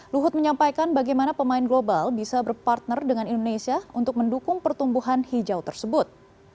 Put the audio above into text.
luhut menyampaikan bagaimana pemain global bisa berpartner dengan indonesia untuk mendukung pertumbuhan hijau tersebut